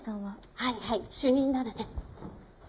はいはい主任ならね。